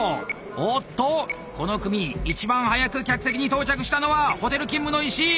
おっとこの組一番早く客席に到着したのはホテル勤務の石井！